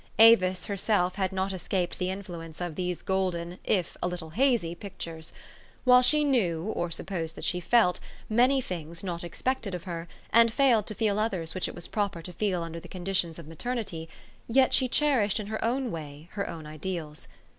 Avis herself had not escaped the influence of these golden, if a little hazy pictures. While she knew, or supposed that she felt, many things not expected of her, and failed to feel others which it was proper to feel under the conditions of maternity, yet she cherished in her own way her own ideals.